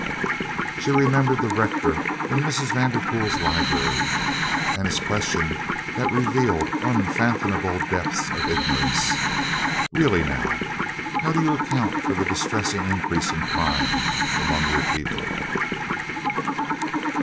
She remembered the rector in Mrs. Vanderpool's library, and his question that revealed unfathomable depths of ignorance: "Really, now, how do you account for the distressing increase in crime among your people?"